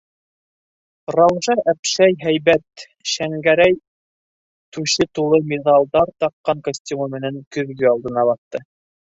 Раужа әпшәй һәйбәт, - Шәңгәрәй түше тулы «миҙалдар» таҡҡан костюмы менән көҙгө алдына баҫты.